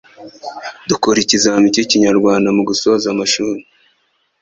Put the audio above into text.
dukora ikizamini cy'Ikinyarwanda mugusoza amashuri